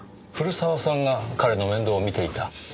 古澤さんが彼の面倒を見ていた？